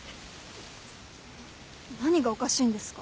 何がおかしいんですか？